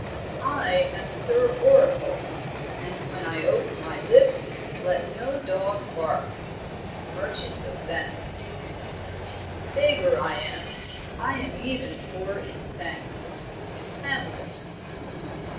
"I am Sir Oracle, And when I ope my lips, let no dog bark!" Merchant of Venice. "Beggar I am, I am even poor in thanks." _Hamlet.